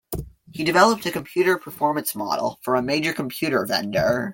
He developed a computer performance model for a major computer vendor.